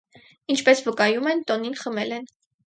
Ինչպես վկայում են, տոնին խմել են։